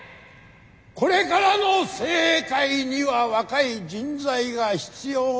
これからの政界には若い人材が必要なんです！